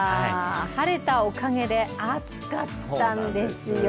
晴れたおかげで暑かったんですよ。